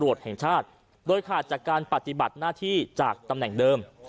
แห่งชาติโดยขาดจากการปฏิบัติหน้าที่จากตำแหน่งเดิม